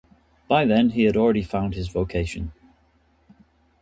By then he had already found his vocation.